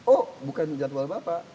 oh bukan jadwal bapak